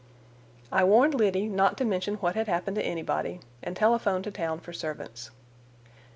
I warned Liddy not to mention what had happened to anybody, and telephoned to town for servants.